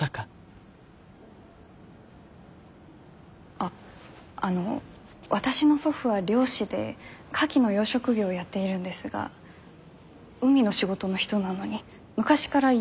あっあの私の祖父は漁師でカキの養殖業をやっているんですが海の仕事の人なのに昔から山に木を植えてたんです。